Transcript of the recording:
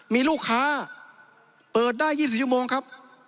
มีลูกค้าเปิดได้๒๔ชั่วโมงครับ